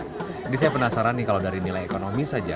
ini saya penasaran nih kalau dari nilai ekonomi saja